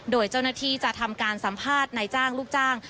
โดยเจ้าหน้าที่จะทำการสัมภาษณ์นายจ้างลูกจ้าง